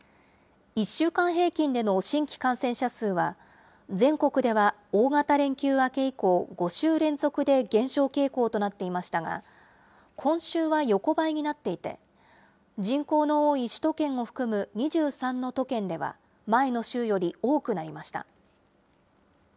１週間平均での新規感染者数は、全国では大型連休明け以降、５週連続で減少傾向となっていましたが、今週は横ばいになっていて、人口の多い首都圏を含む２３の都県では、前の週より多くなりました。